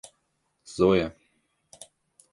Зоя